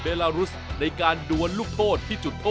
จากตะวัดออกต่อสูญ